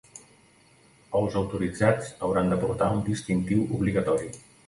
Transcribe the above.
Els autoritzats hauran de portar un distintiu obligatori.